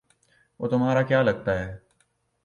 وہ تمہارا کیا لگتا ہے؟